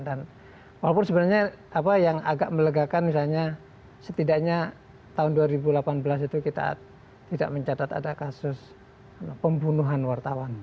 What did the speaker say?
dan walaupun sebenarnya yang agak melegakan misalnya setidaknya tahun dua ribu delapan belas itu kita tidak mencatat ada kasus pembunuhan wartawan